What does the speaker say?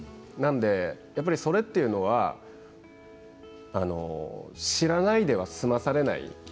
なんで、それというのは知らないでは済まされない。